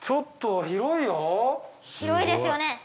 広いですよね。